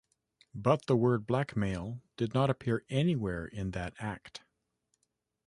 But the word blackmail did not appear anywhere in that Act.